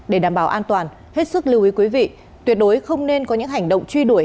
để đảm bảo an toàn hết sức lưu ý quý vị tuyệt đối không nên có những hành động truy đuổi